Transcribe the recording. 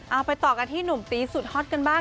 เอาไปต่อกันที่หนุ่มตีสุดฮอตกันบ้าง